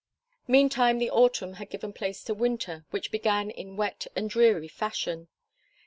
Meantime the autumn had given place to winter, which began in wet and dreary fashion.